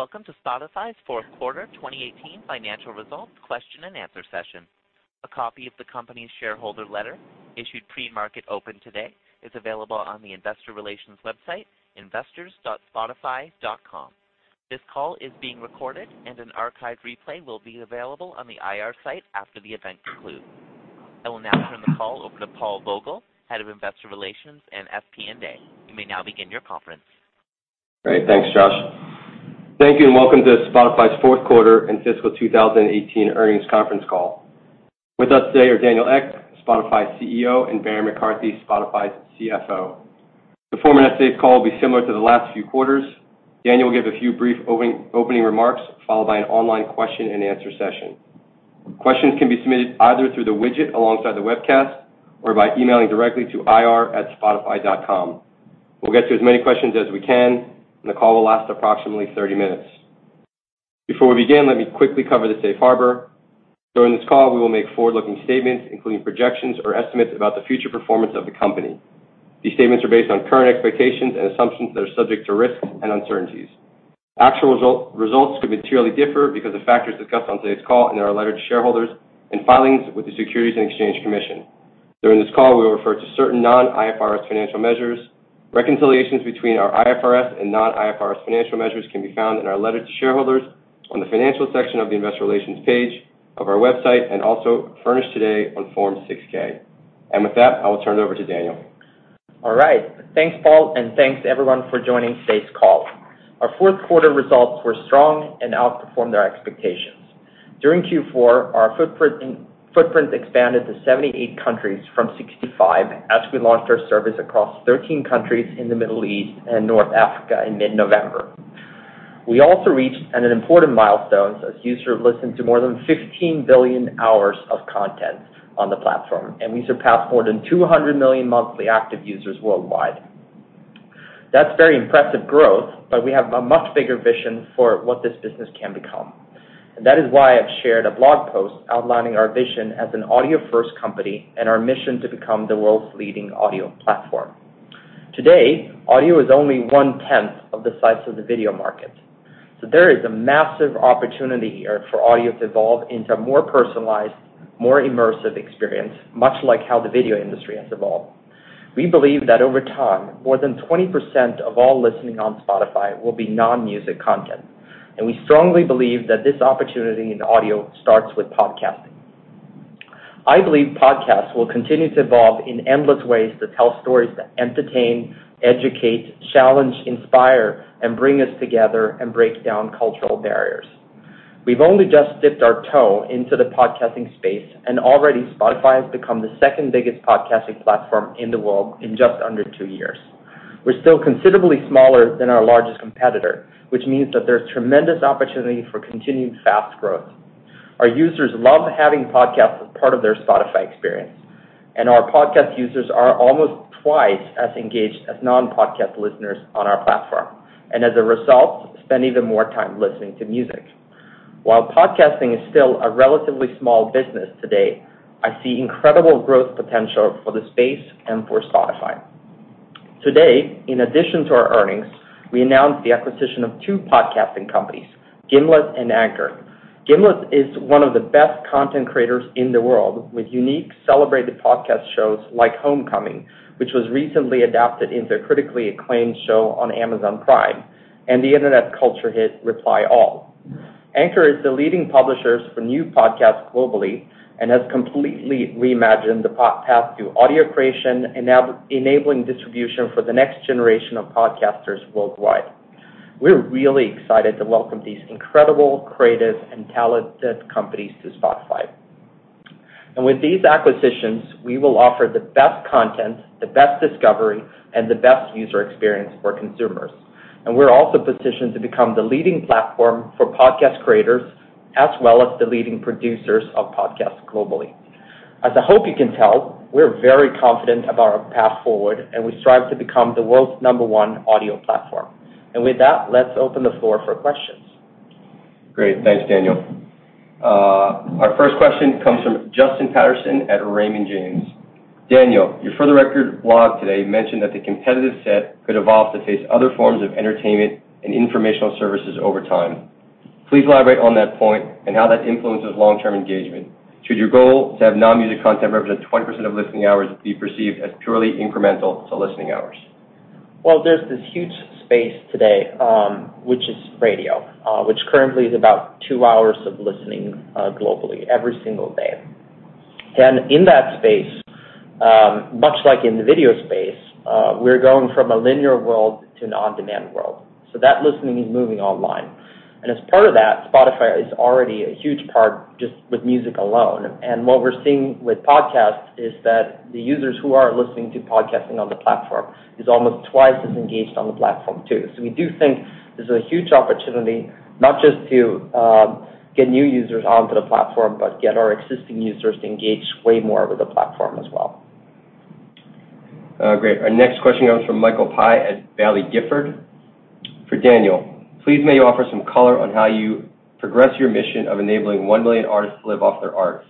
Welcome to Spotify's fourth quarter 2018 financial results question and answer session. A copy of the company's shareholder letter, issued pre-market open today, is available on the investor relations website, investors.spotify.com. This call is being recorded and an archive replay will be available on the IR site after the event concludes. I will now turn the call over to Paul Vogel, Head of Investor Relations and FP&A. You may now begin your conference. Great. Thanks, Josh. Thank you and welcome to Spotify's fourth quarter and fiscal 2018 earnings conference call. With us today are Daniel Ek, Spotify's CEO, and Barry McCarthy, Spotify's CFO. The format of today's call will be similar to the last few quarters. Daniel will give a few brief opening remarks followed by an online question and answer session. Questions can be submitted either through the widget alongside the webcast or by emailing directly to ir@spotify.com. We'll get to as many questions as we can. The call will last approximately 30 minutes. Before we begin, let me quickly cover the safe harbor. During this call, we will make forward-looking statements, including projections or estimates about the future performance of the company. These statements are based on current expectations and assumptions that are subject to risks and uncertainties. Actual results could materially differ because of factors discussed on today's call and in our letter to shareholders and filings with the Securities and Exchange Commission. During this call, we will refer to certain non-IFRS financial measures. Reconciliations between our IFRS and non-IFRS financial measures can be found in our letter to shareholders on the financial section of the investor relations page of our website and also furnished today on Form 6-K. With that, I will turn it over to Daniel. All right. Thanks, Paul, and thanks everyone for joining today's call. Our fourth quarter results were strong and outperformed our expectations. During Q4, our footprint expanded to 78 countries from 65 as we launched our service across 13 countries in the Middle East and North Africa in mid-November. We also reached an important milestone as users listened to more than 15 billion hours of content on the platform. We surpassed more than 200 million monthly active users worldwide. That's very impressive growth, but we have a much bigger vision for what this business can become. That is why I've shared a blog post outlining our vision as an audio-first company and our mission to become the world's leading audio platform. Today, audio is only one-tenth of the size of the video market. There is a massive opportunity here for audio to evolve into a more personalized, more immersive experience, much like how the video industry has evolved. We believe that over time, more than 20% of all listening on Spotify will be non-music content, and we strongly believe that this opportunity in audio starts with podcasting. I believe podcasts will continue to evolve in endless ways to tell stories that entertain, educate, challenge, inspire, and bring us together and break down cultural barriers. We've only just dipped our toe into the podcasting space, and already Spotify has become the second biggest podcasting platform in the world in just under two years. We're still considerably smaller than our largest competitor, which means that there's tremendous opportunity for continued fast growth. Our users love having podcasts as part of their Spotify experience. Our podcast users are almost two times as engaged as non-podcast listeners on our platform, and as a result, spend even more time listening to music. While podcasting is still a relatively small business today, I see incredible growth potential for the space and for Spotify. Today, in addition to our earnings, we announced the acquisition of two podcasting companies, Gimlet and Anchor. Gimlet is one of the best content creators in the world, with unique celebrated podcast shows like "Homecoming," which was recently adapted into a critically acclaimed show on Amazon Prime, and the internet culture hit, "Reply All." Anchor is the leading publishers for new podcasts globally and has completely reimagined the path to audio creation, enabling distribution for the next generation of podcasters worldwide. We're really excited to welcome these incredible, creative, and talented companies to Spotify. With these acquisitions, we will offer the best content, the best discovery, and the best user experience for consumers. We're also positioned to become the leading platform for podcast creators, as well as the leading producers of podcasts globally. As I hope you can tell, we're very confident about our path forward, and we strive to become the world's number one audio platform. With that, let's open the floor for questions. Great. Thanks, Daniel. Our first question comes from Justin Patterson at Raymond James. Daniel, your For the Record blog today mentioned that the competitive set could evolve to face other forms of entertainment and informational services over time. Please elaborate on that point and how that influences long-term engagement. Should your goal to have non-music content represent 20% of listening hours be perceived as purely incremental to listening hours? Well, there's this huge space today, which is radio, which currently is about 2 hours of listening globally every single day. In that space, much like in the video space, we're going from a linear world to an on-demand world. That listening is moving online. As part of that, Spotify is already a huge part just with music alone. What we're seeing with podcasts is that the users who are listening to podcasting on the platform is almost twice as engaged on the platform, too. We do think there's a huge opportunity not just to get new users onto the platform, but get our existing users to engage way more with the platform as well. Great. Our next question comes from Michael Pachter at Baillie Gifford. For Daniel, please may you offer some color on how you progress your mission of enabling 1 million artists to live off their art.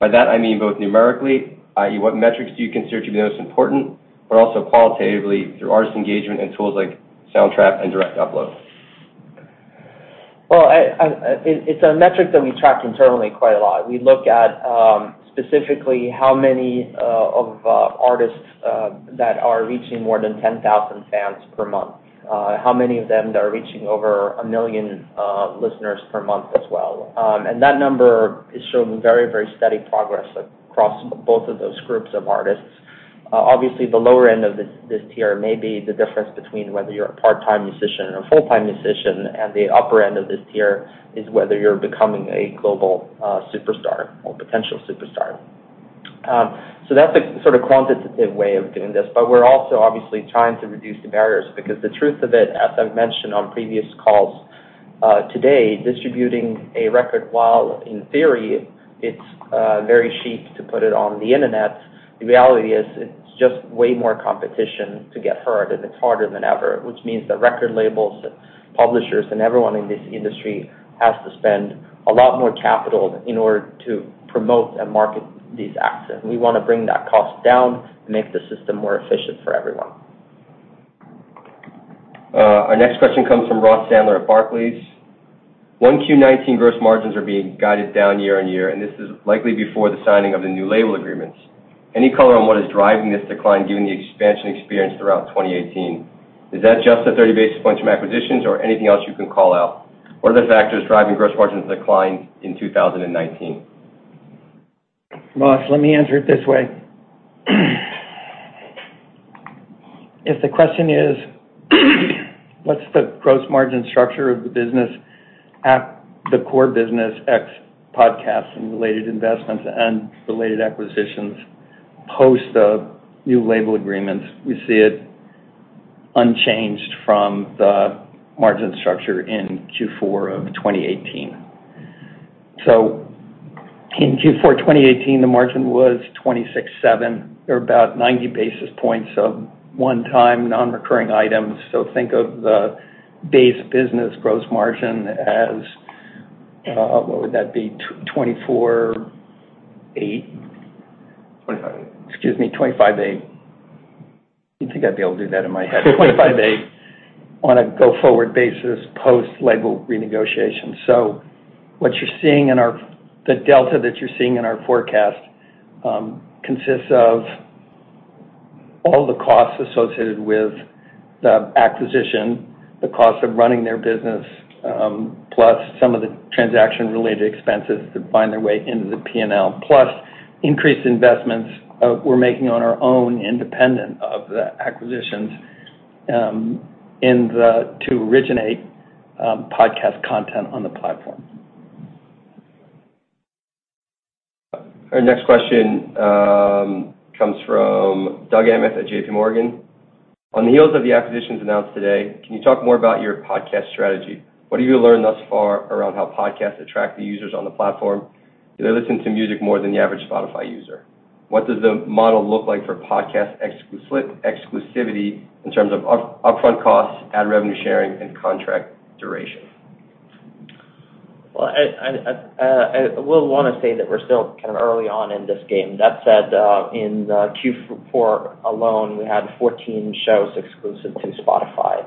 By that I mean both numerically, i.e., what metrics do you consider to be most important, but also qualitatively through artist engagement and tools like Soundtrap and direct upload? Well, it's a metric that we track internally quite a lot. We look at specifically how many of artists that are reaching more than 10,000 fans per month, how many of them that are reaching over 1 million listeners per month as well. That number is showing very steady progress across both of those groups of artists. Obviously, the lower end of this tier may be the difference between whether you're a part-time musician or a full-time musician, and the upper end of this tier is whether you're becoming a global superstar or potential superstar. That's a sort of quantitative way of doing this. We're also obviously trying to reduce the barriers because the truth of it, as I've mentioned on previous calls, today, distributing a record while in theory it's very cheap to put it on the Internet, the reality is it's just way more competition to get heard and it's harder than ever, which means that record labels and publishers and everyone in this industry has to spend a lot more capital in order to promote and market these acts. We want to bring that cost down and make the system more efficient for everyone. Our next question comes from Ross Sandler at Barclays. Q1 2019 gross margins are being guided down year-over-year, and this is likely before the signing of the new label agreements. Any color on what is driving this decline given the expansion experience throughout 2018? Is that just the 30 basis points from acquisitions or anything else you can call out? What are the factors driving gross margins decline in 2019? Ross, let me answer it this way. If the question is, what's the gross margin structure of the business at the core business ex-podcast and related investments and related acquisitions post the new label agreements, we see it unchanged from the margin structure in Q4 2018. In Q4 2018, the margin was 26.7% or about 90 basis points of one-time, non-recurring items. Think of the base business gross margin as, what would that be? 24.8%. 25.8. Excuse me, 25.8%. You'd think I'd be able to do that in my head. 25.8% on a go-forward basis post-label renegotiation. The delta that you're seeing in our forecast consists of all the costs associated with the acquisition, the cost of running their business, plus some of the transaction-related expenses that find their way into the P&L. Plus increased investments we're making on our own, independent of the acquisitions, to originate podcast content on the platform. Our next question comes from Doug Anmuth at J.P. Morgan. On the heels of the acquisitions announced today, can you talk more about your podcast strategy? What have you learned thus far around how podcasts attract the users on the platform? Do they listen to music more than the average Spotify user? What does the model look like for podcast exclusivity in terms of upfront costs, ad revenue sharing, and contract duration? I will want to say that we're still kind of early on in this game. That said, in Q4 alone, we had 14 shows exclusive to Spotify.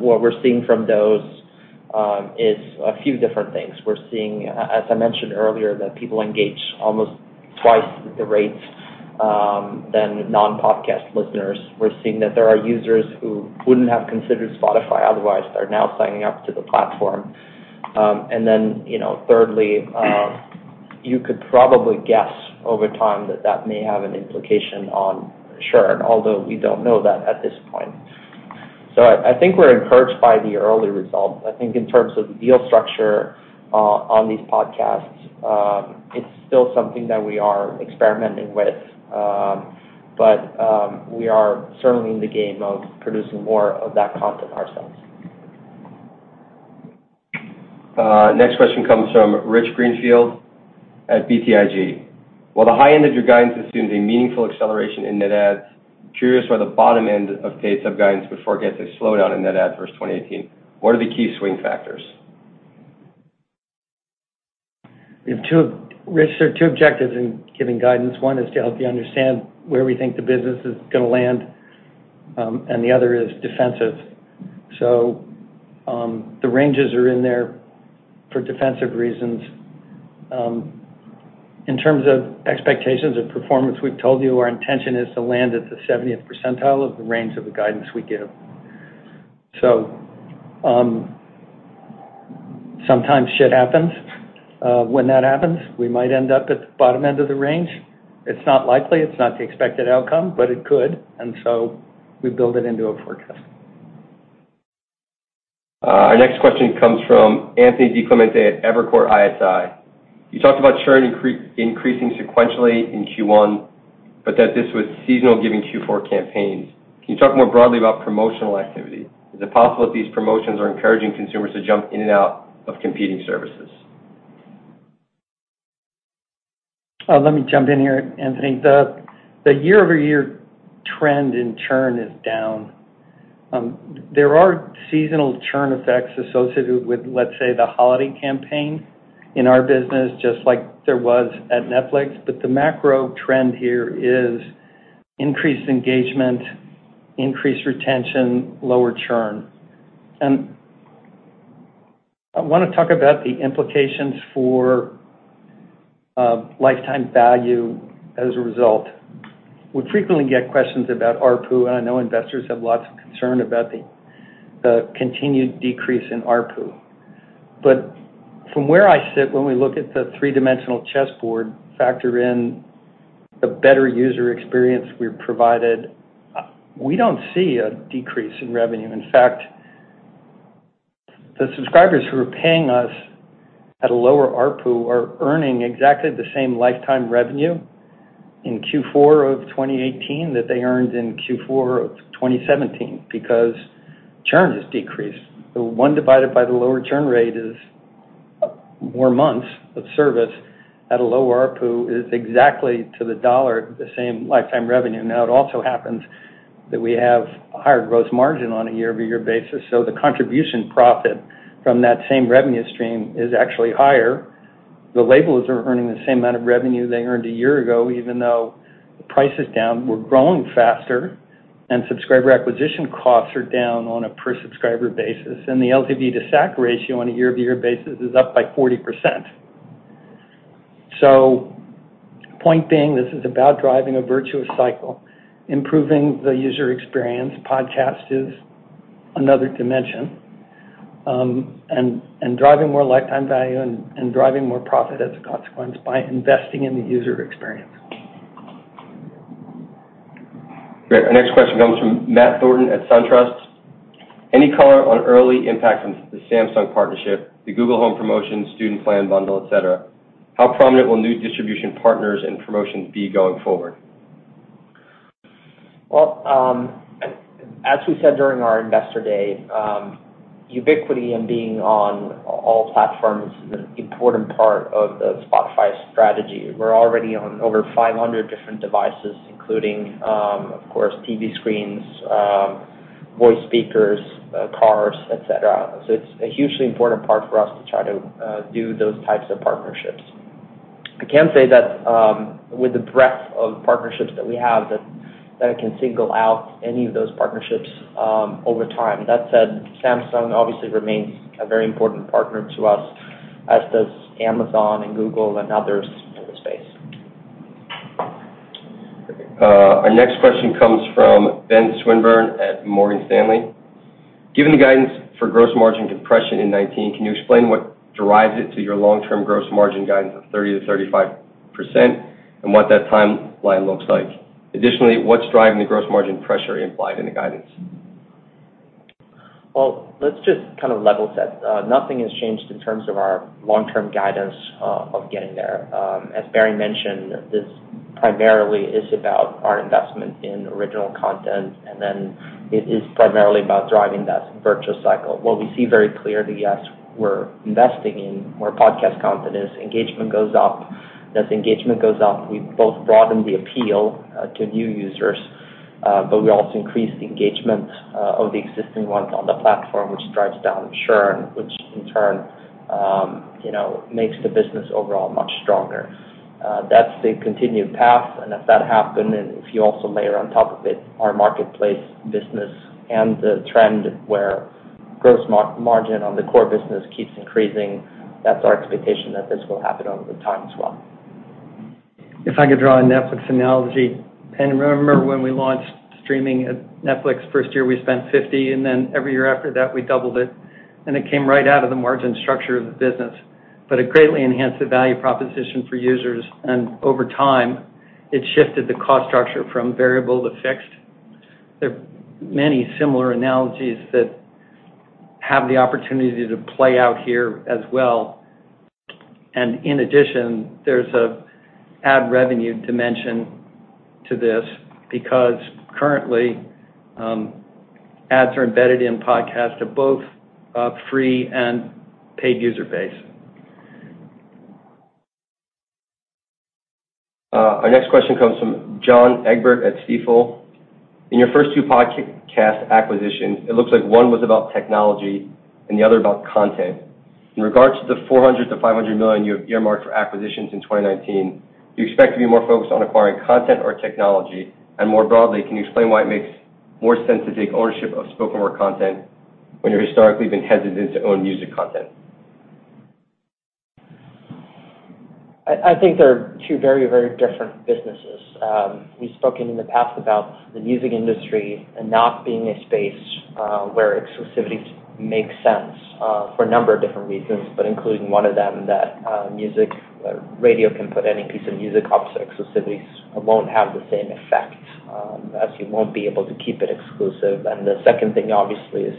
What we're seeing from those is a few different things. We're seeing, as I mentioned earlier, that people engage almost twice the rates than non-podcast listeners. We're seeing that there are users who wouldn't have considered Spotify otherwise that are now signing up to the platform. Thirdly, you could probably guess over time that that may have an implication on churn, although we don't know that at this point. I think we're encouraged by the early results. I think in terms of the deal structure on these podcasts, it's still something that we are experimenting with. We are certainly in the game of producing more of that content ourselves. Next question comes from Richard Greenfield at BTIG. While the high end of your guidance assumes a meaningful acceleration in net adds, curious where the bottom end of paid sub guidance before it gets a slowdown in net add versus 2018. What are the key swing factors? Rich, there are two objectives in giving guidance. One is to help you understand where we think the business is going to land, and the other is defensive. The ranges are in there for defensive reasons. In terms of expectations of performance, we've told you our intention is to land at the 70th percentile of the range of the guidance we give. Sometimes shit happens. When that happens, we might end up at the bottom end of the range. It's not likely, it's not the expected outcome, but it could, we build it into a forecast. Our next question comes from Anthony DiClemente at Evercore ISI. You talked about churn increasing sequentially in Q1, but that this was seasonal giving Q4 campaigns. Can you talk more broadly about promotional activity? Is it possible that these promotions are encouraging consumers to jump in and out of competing services? Let me jump in here, Anthony. The year-over-year trend in churn is down. There are seasonal churn effects associated with, let's say, the holiday campaign in our business, just like there was at Netflix. The macro trend here is increased engagement, increased retention, lower churn. I want to talk about the implications for lifetime value as a result. We frequently get questions about ARPU, and I know investors have lots of concern about the continued decrease in ARPU. From where I sit, when we look at the three-dimensional chessboard, factor in the better user experience we've provided, we don't see a decrease in revenue. In fact, the subscribers who are paying us at a lower ARPU are earning exactly the same lifetime revenue in Q4 of 2018 that they earned in Q4 of 2017 because churn has decreased. One divided by the lower churn rate is more months of service at a lower ARPU is exactly to the dollar, the same lifetime revenue. It also happens that we have a higher gross margin on a year-over-year basis, the contribution profit from that same revenue stream is actually higher. The labels are earning the same amount of revenue they earned a year ago, even though the price is down. We're growing faster and subscriber acquisition costs are down on a per-subscriber basis, and the LTV:CAC ratio on a year-over-year basis is up by 40%. Point being, this is about driving a virtuous cycle, improving the user experience. Podcast is another dimension. Driving more lifetime value and driving more profit as a consequence by investing in the user experience. Great. Our next question comes from Matthew Thornton at SunTrust. Any color on early impact from the Samsung partnership, the Google Home promotion, student plan bundle, et cetera. How prominent will new distribution partners and promotions be going forward? Well, as we said during our investor day, ubiquity and being on all platforms is an important part of the Spotify strategy. We're already on over 500 different devices, including, of course, TV screens, voice speakers, cars, et cetera. It's a hugely important part for us to try to do those types of partnerships. I can't say that with the breadth of partnerships that we have, that I can single out any of those partnerships over time. That said, Samsung obviously remains a very important partner to us, as does Amazon and Google and others in the space. Our next question comes from Benjamin Swinburne at Morgan Stanley. Given the guidance for gross margin compression in 2019, can you explain what derives it to your long-term gross margin guidance of 30%-35%, and what that timeline looks like? Additionally, what's driving the gross margin pressure implied in the guidance? Well, let's just kind of level set. Nothing has changed in terms of our long-term guidance of getting there. As Barry mentioned, this primarily is about our investment in original content. It is primarily about driving that virtuous cycle. What we see very clearly, yes, we're investing in more podcast content as engagement goes up. As engagement goes up, we both broaden the appeal to new users, we also increase the engagement of the existing ones on the platform, which drives down churn, which in turn makes the business overall much stronger. That's the continued path. If that happened, if you also layer on top of it our marketplace business and the trend where gross margin on the core business keeps increasing, that's our expectation that this will happen over time as well. If I could draw a Netflix analogy. Remember when we launched streaming at Netflix, first year we spent 50. Every year after that, we doubled it. It came right out of the margin structure of the business, but it greatly enhanced the value proposition for users. Over time, it shifted the cost structure from variable to fixed. There are many similar analogies that have the opportunity to play out here as well. In addition, there's an ad revenue dimension to this because currently, ads are embedded in podcasts at both free and paid user base. Our next question comes from John Egbert at Stifel. In your first two podcast acquisitions, it looks like one was about technology and the other about content. In regards to the 400 million-500 million you have earmarked for acquisitions in 2019, do you expect to be more focused on acquiring content or technology? More broadly, can you explain why it makes more sense to take ownership of spoken word content when you've historically been hesitant to own music content? I think they're two very, very different businesses. We've spoken in the past about the music industry and not being a space where exclusivities make sense for a number of different reasons, but including one of them, that music radio can put any piece of music up, so exclusivities won't have the same effect as you won't be able to keep it exclusive. The second thing, obviously, is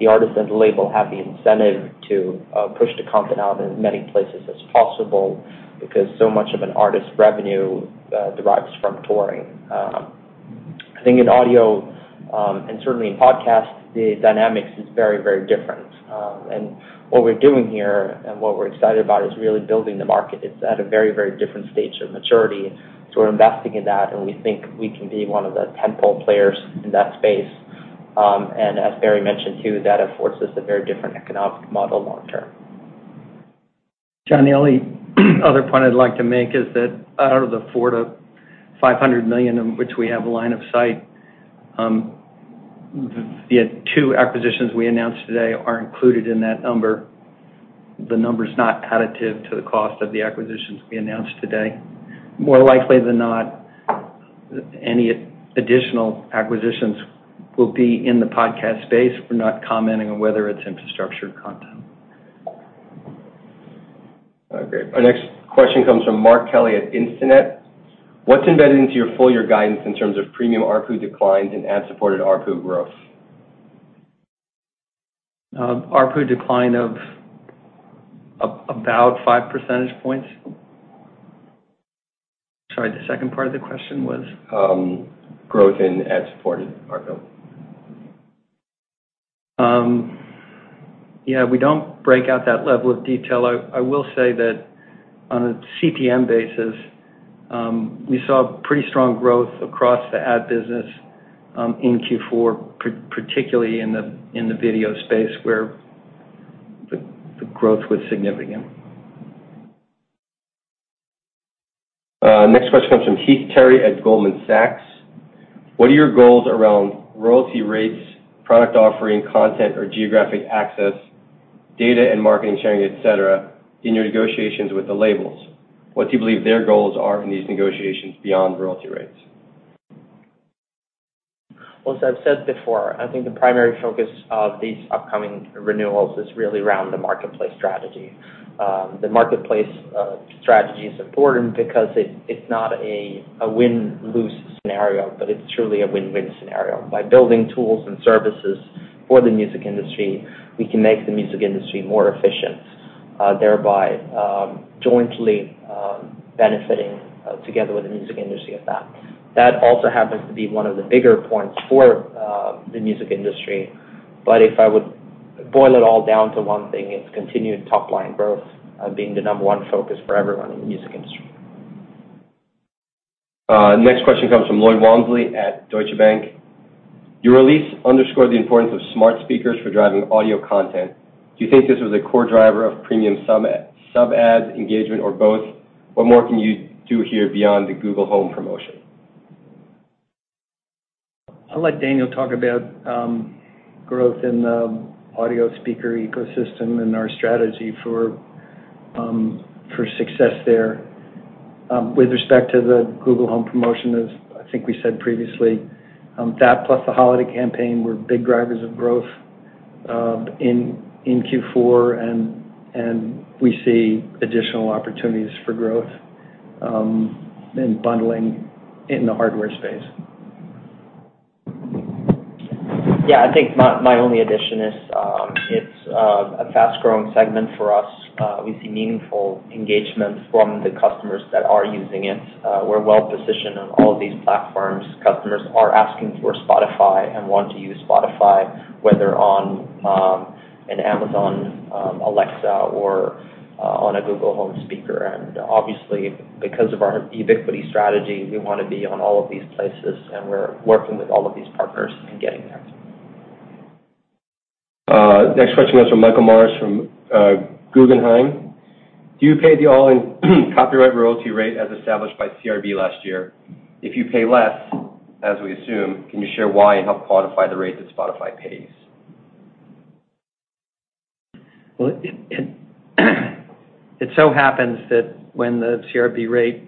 the artist and label have the incentive to push the content out in as many places as possible because so much of an artist's revenue derives from touring. I think in audio, and certainly in podcast, the dynamics is very, very different. What we're doing here and what we're excited about is really building the market. It's at a very, very different stage of maturity. We're investing in that, and we think we can be one of the tent pole players in that space. As Barry mentioned, too, that affords us a very different economic model long term. John, the only other point I'd like to make is that out of the 400 million-500 million, in which we have a line of sight, the two acquisitions we announced today are included in that number. The number's not additive to the cost of the acquisitions we announced today. More likely than not, any additional acquisitions will be in the podcast space. We're not commenting on whether it's infrastructure or content. Okay. Our next question comes from Mark Kelley at Instinet. What's embedded into your full year guidance in terms of premium ARPU declines and ad-supported ARPU growth? ARPU decline of about five percentage points. Sorry, the second part of the question was? Growth in ad-supported ARPU. Yeah, we don't break out that level of detail. I will say that on a CPM basis, we saw pretty strong growth across the ad business in Q4, particularly in the video space where the growth was significant. Next question comes from Heath Terry at Goldman Sachs. What are your goals around royalty rates, product offering, content or geographic access, data and marketing sharing, et cetera, in your negotiations with the labels? What do you believe their goals are in these negotiations beyond royalty rates? Well, as I've said before, I think the primary focus of these upcoming renewals is really around the marketplace strategy. The marketplace strategy is important because it's not a win-lose scenario, but it's truly a win-win scenario. By building tools and services for the music industry, we can make the music industry more efficient, thereby jointly benefiting together with the music industry at that. That also happens to be one of the bigger points for the music industry. If I would boil it all down to one thing, it's continued top-line growth being the number one focus for everyone in the music industry. Next question comes from Lloyd Walmsley at Deutsche Bank. Your release underscored the importance of smart speakers for driving audio content. Do you think this was a core driver of premium sub ad engagement or both? What more can you do here beyond the Google Home promotion? I'll let Daniel talk about growth in the audio speaker ecosystem and our strategy for success there. With respect to the Google Home promotion, as I think we said previously, that plus the holiday campaign were big drivers of growth in Q4, and we see additional opportunities for growth and bundling in the hardware space. Yeah, I think my only addition is it's a fast-growing segment for us. We see meaningful engagement from the customers that are using it. We're well-positioned on all of these platforms. Customers are asking for Spotify and want to use Spotify, whether on an Amazon Alexa or on a Google Home speaker. Obviously, because of our ubiquity strategy, we want to be on all of these places, and we're working with all of these partners in getting there. Next question is from Michael Morris from Guggenheim. Do you pay the all-in copyright royalty rate as established by CRB last year? If you pay less, as we assume, can you share why and help quantify the rate that Spotify pays? Well, it so happens that when the CRB rate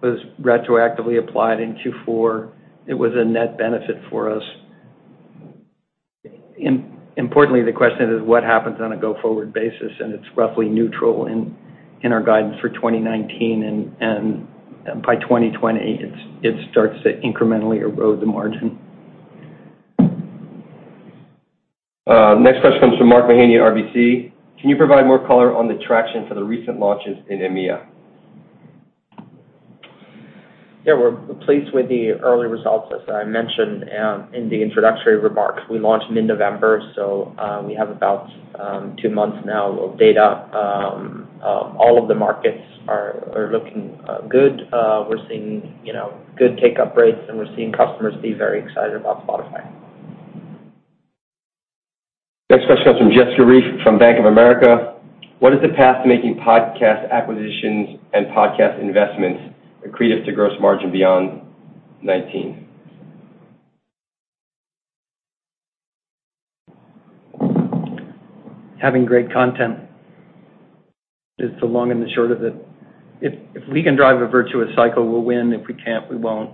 was retroactively applied in Q4, it was a net benefit for us. Importantly, the question is what happens on a go-forward basis. It's roughly neutral in our guidance for 2019. By 2020, it starts to incrementally erode the margin. Next question comes from Mark Mahaney at RBC. Can you provide more color on the traction for the recent launches in EMEA? Yeah, we're pleased with the early results, as I mentioned in the introductory remarks. We launched mid-November. We have about two months now of data. All of the markets are looking good. We're seeing good take-up rates. We're seeing customers be very excited about Spotify. Next question comes from Jessica Reif from Bank of America. What is the path to making podcast acquisitions and podcast investments accretive to gross margin beyond 2019? Having great content is the long and the short of it. If we can drive a virtuous cycle, we'll win. If we can't, we won't.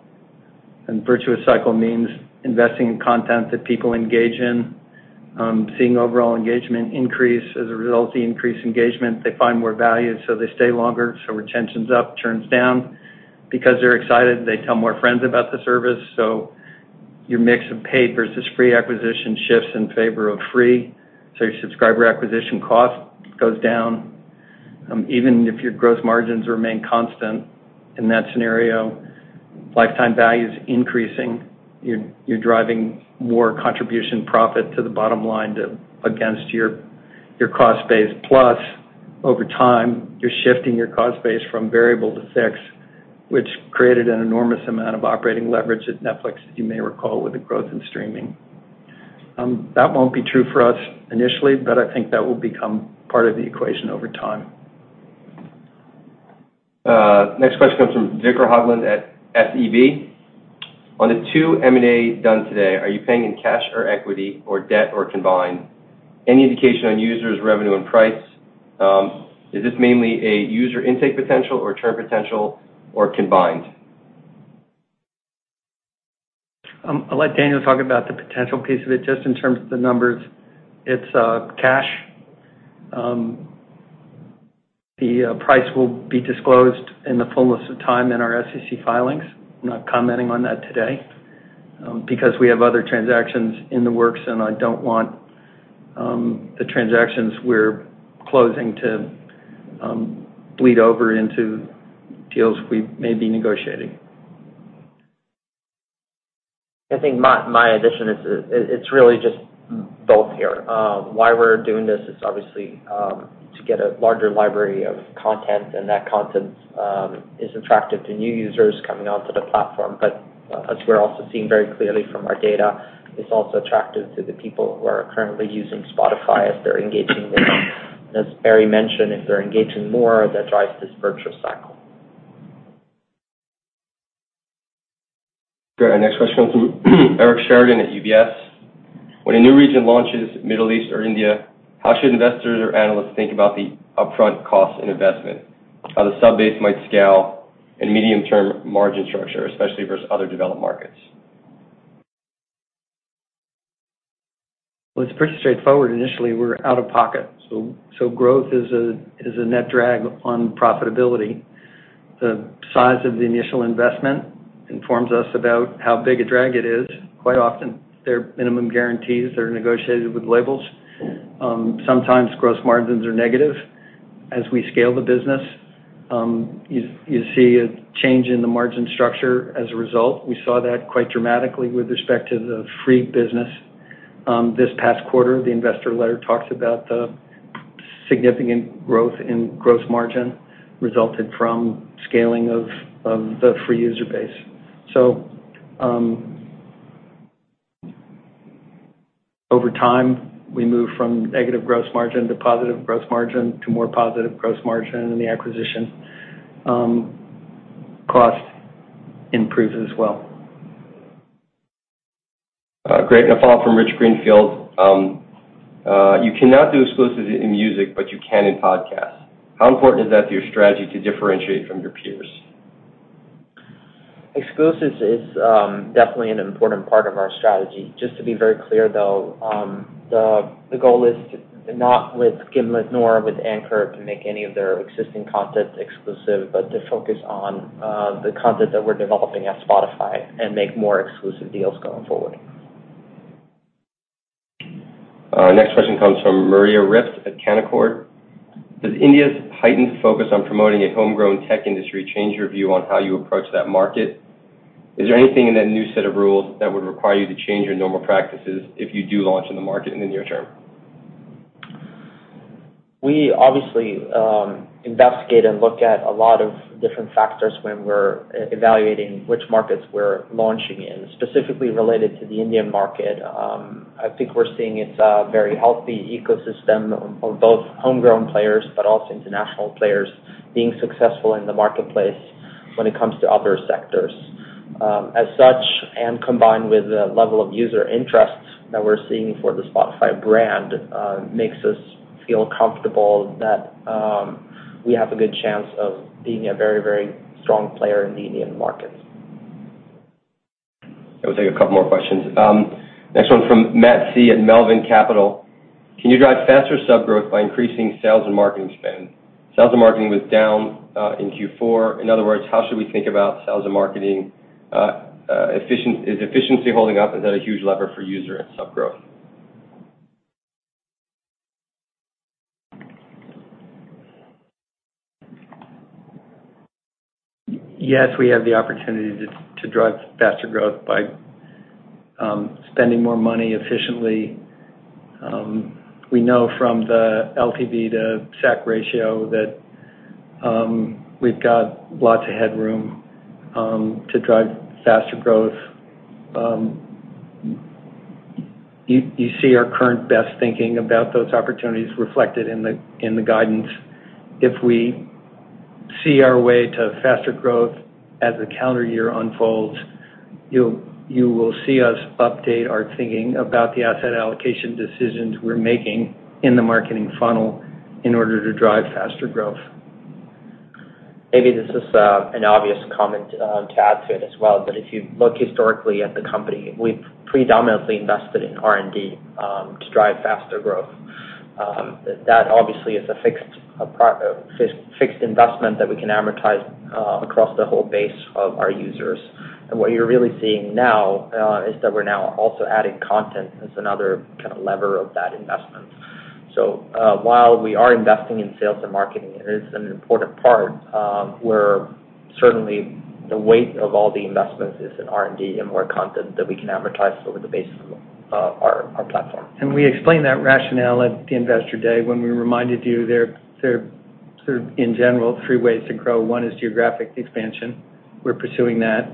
Virtuous cycle means investing in content that people engage in, seeing overall engagement increase. As a result of the increased engagement, they find more value, so they stay longer, so retention's up, churn's down. They're excited, they tell more friends about the service, so your mix of paid versus free acquisition shifts in favor of free, so your subscriber acquisition cost goes down. Even if your gross margins remain constant in that scenario, lifetime value's increasing. You're driving more contribution profit to the bottom line against your cost base. Over time, you're shifting your cost base from variable to fixed, which created an enormous amount of operating leverage at Netflix, as you may recall, with the growth in streaming. That won't be true for us initially, but I think that will become part of the equation over time. Next question comes from Viktor Hoglund at SEB. On the 2 M&A done today, are you paying in cash or equity or debt or combined? Any indication on users, revenue, and price? Is this mainly a user intake potential or churn potential or combined? I'll let Daniel talk about the potential piece of it. Just in terms of the numbers, it's cash. The price will be disclosed in the fullness of time in our SEC filings. I'm not commenting on that today because we have other transactions in the works, and I don't want the transactions we're closing to bleed over into deals we may be negotiating. I think my addition is, it's really just both here. Why we're doing this is obviously to get a larger library of content, and that content is attractive to new users coming onto the platform. As we're also seeing very clearly from our data, it's also attractive to the people who are currently using Spotify as they're engaging more. As Barry mentioned, if they're engaging more, that drives this virtuous cycle. Great. Next question comes from Eric Sheridan at UBS. When a new region launches, Middle East or India, how should investors or analysts think about the upfront cost and investment, how the sub-base might scale, and medium-term margin structure, especially versus other developed markets? Well, it's pretty straightforward. Initially, we're out of pocket, growth is a net drag on profitability. The size of the initial investment informs us about how big a drag it is. Quite often, there are minimum guarantees that are negotiated with labels. Sometimes gross margins are negative. As we scale the business, you see a change in the margin structure as a result. We saw that quite dramatically with respect to the free business. This past quarter, the investor letter talks about the significant growth in gross margin resulted from scaling of the free user base. Over time, we move from negative gross margin to positive gross margin to more positive gross margin, and the acquisition cost improves as well. Great. A follow-up from Richard Greenfield. You cannot do exclusives in music, but you can in podcasts. How important is that to your strategy to differentiate from your peers? Exclusives is definitely an important part of our strategy. Just to be very clear, though, the goal is not with Gimlet, nor with Anchor to make any of their existing content exclusive, but to focus on the content that we are developing at Spotify and make more exclusive deals going forward. Next question comes from Maria Ripps at Canaccord. Does India's heightened focus on promoting a homegrown tech industry change your view on how you approach that market? Is there anything in that new set of rules that would require you to change your normal practices if you do launch in the market in the near term? We obviously investigate and look at a lot of different factors when we are evaluating which markets we are launching in, specifically related to the Indian market. I think we are seeing it is a very healthy ecosystem of both homegrown players, but also international players being successful in the marketplace when it comes to other sectors. As such, combined with the level of user interest that we are seeing for the Spotify brand, makes us feel comfortable that we have a good chance of being a very, very strong player in the Indian market. We'll take a couple more questions. Next one from Matt Cee at Melvin Capital. Can you drive faster sub growth by increasing sales and marketing spend? Sales and marketing was down in Q4. In other words, how should we think about sales and marketing efficiency? Is efficiency holding up? Is that a huge lever for user and sub growth? Yes, we have the opportunity to drive faster growth by spending more money efficiently. We know from the LTV to SAC ratio that we've got lots of headroom to drive faster growth. You see our current best thinking about those opportunities reflected in the guidance. If we see our way to faster growth as the calendar year unfolds, you will see us update our thinking about the asset allocation decisions we're making in the marketing funnel in order to drive faster growth. Maybe this is an obvious comment to add to it as well, if you look historically at the company, we've predominantly invested in R&D to drive faster growth. That obviously is a fixed investment that we can amortize across the whole base of our users. What you're really seeing now is that we're now also adding content as another kind of lever of that investment. While we are investing in sales and marketing, and it is an important part, where certainly the weight of all the investments is in R&D and more content that we can amortize over the base of our platform. We explained that rationale at the investor day when we reminded you there, sort of in general, three ways to grow. One is geographic expansion. We're pursuing that.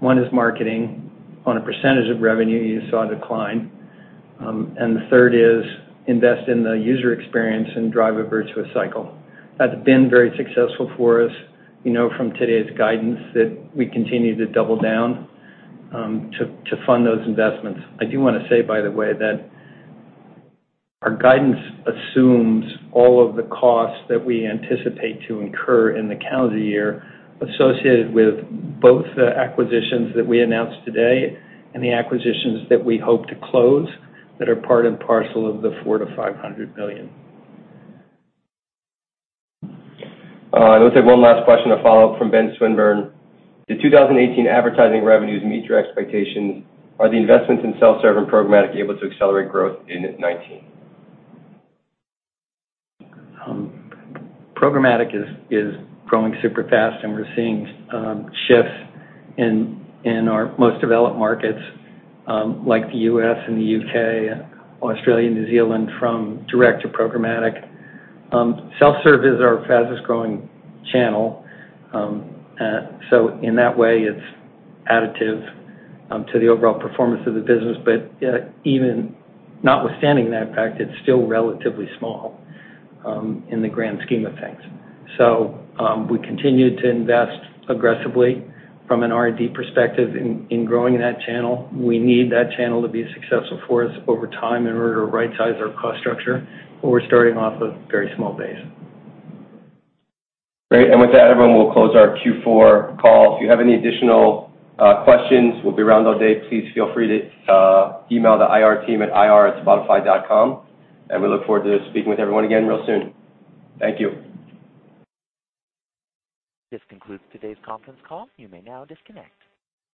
One is marketing. On a percentage of revenue, you saw a decline. The third is invest in the user experience and drive a virtuous cycle. That's been very successful for us. You know from today's guidance that we continue to double down to fund those investments. I do want to say, by the way, that our guidance assumes all of the costs that we anticipate to incur in the calendar year associated with both the acquisitions that we announced today and the acquisitions that we hope to close that are part and parcel of the 400 million-500 million. All right, I will take one last question, a follow-up from Benjamin Swinburne. Did 2018 advertising revenues meet your expectations? Are the investments in self-serve and programmatic able to accelerate growth in 2019? Programmatic is growing super fast. We're seeing shifts in our most developed markets, like the U.S. and the U.K., Australia, New Zealand, from direct to programmatic. Self-serve is our fastest-growing channel. In that way, it's additive to the overall performance of the business. Even notwithstanding that fact, it's still relatively small in the grand scheme of things. We continue to invest aggressively from an R&D perspective in growing that channel. We need that channel to be successful for us over time in order to right-size our cost structure, but we're starting off with a very small base. Great. With that, everyone, we'll close our Q4 call. If you have any additional questions, we'll be around all day. Please feel free to email the IR team at ir@spotify.com, and we look forward to speaking with everyone again real soon. Thank you. This concludes today's conference call. You may now disconnect.